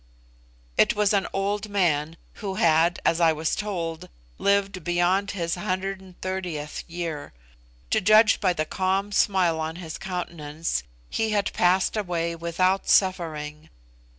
It was an old man, who had, as I was told, lived beyond his 130th year. To judge by the calm smile on his countenance, he had passed away without suffering.